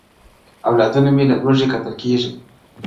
اولادونه مي له لوږي قتل کېږي!!